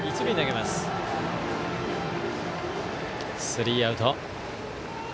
スリーアウト。